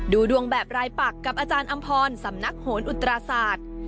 ดูดวงแบบรายปักกับอาจารย์อำพรสำนักโหนอุตราศาสตร์